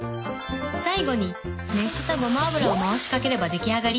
最後に熱したごま油を回しかければ出来上がり。